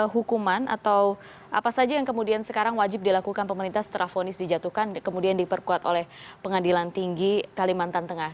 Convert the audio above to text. hukuman atau apa saja yang kemudian sekarang wajib dilakukan pemerintah setelah vonis dijatuhkan kemudian diperkuat oleh pengadilan tinggi kalimantan tengah